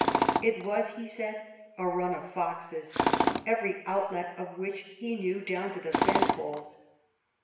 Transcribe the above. It was, he said, a run of foxes, every outlet of which he knew, down to the vent holes.